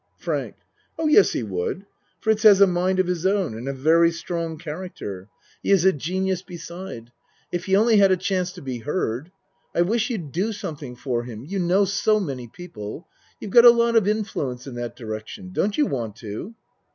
FRANK Oh, yes he would. Fritz has a mind of his own and a very strong character. He is a genius 42 A MAN'S WORLD beside. If he only had a chance to be heard. I wish you'd do something for him, you know so many people. You've got a lot of influence in that direction. Don't you want to?